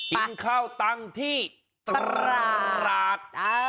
กินข้าวตังค์ที่ตราด